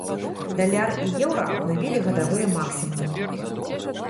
Даляр і еўра абнавілі гадавыя максімумы.